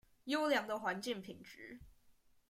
優良的環境品質